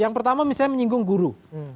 yang pertama misalnya menyinggung guru